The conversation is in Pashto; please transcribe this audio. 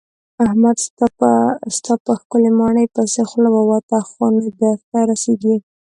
احمد ستا په ښکلې ماڼۍ پسې خوله ووته خو نه درته رسېږي.